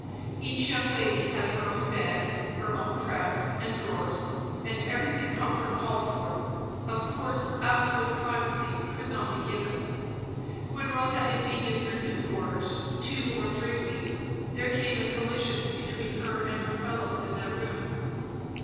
Each young lady had her own bed, her own press and drawers, and everything comfort called for; of course absolute privacy could not be given. When Rotha had been in her new quarters two or three weeks, there came a collision between her and her fellows in that room.